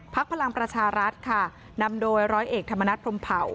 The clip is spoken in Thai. พลังประชารัฐค่ะนำโดยร้อยเอกธรรมนัฐพรมเผา